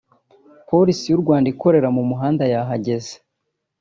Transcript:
Polisi y’u Rwanda ikorera mu muhanda yahageze